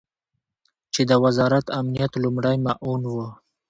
چې د وزارت امنیت لومړی معاون ؤ